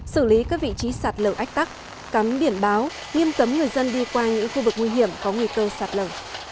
xử lý các vị trí sạt lở ách tắc cắm biển báo nghiêm cấm người dân đi qua những khu vực nguy hiểm có nguy cơ sạt lở